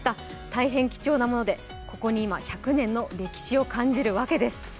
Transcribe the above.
大変貴重なもので、ここに今１００年の歴史を感じるわけです。